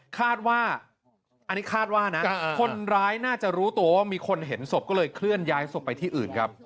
คาดว่าอันนี้คาดว่านะคนร้ายน่าจะรู้ตัวว่ามีคนเห็นศพก็เลยเคลื่อนย้ายศพไปที่อื่นครับ